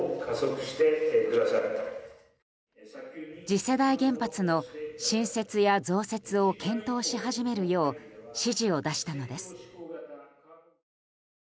次世代原発の新設や増設を検討し始めるよう指示を出したのです。